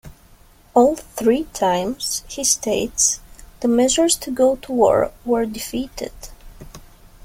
All three times, he states, the measures to go to war were defeated.